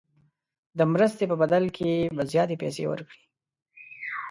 د مرستې په بدل کې به زیاتې پیسې ورکړي.